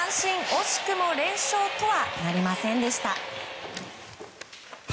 惜しくも連勝とはなりませんでした。